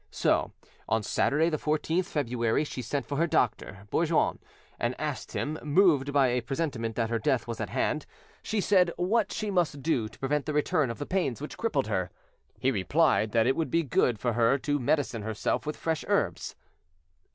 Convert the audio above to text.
So, on Saturday the 14th February, she sent for her doctor, Bourgoin, and asked him, moved by a presentiment that her death was at hand, she said, what she must do to prevent the return of the pains which crippled her. He replied that it would be good for her to medicine herself with fresh herbs.